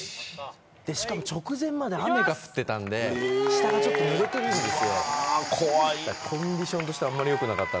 しかも直前まで雨が降っていたので下がちょっとぬれているんです。